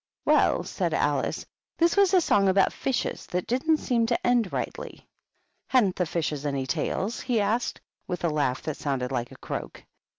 93 "Well/' said Alice, "this was a song about fishes that didn't seem to end rightly." " Hadn't the fishes any tails ?" he asked, with a laugh that sounded like a croak.